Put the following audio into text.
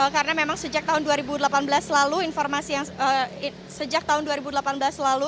karena memang sejak tahun dua ribu delapan belas lalu informasi yang sejak tahun dua ribu delapan belas lalu